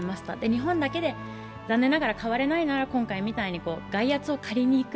日本だけで、残念ながら変われないなら今回みたいに外圧を借りにいく。